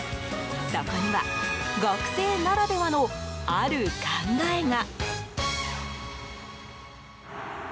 そこには学生ならではのある考えが。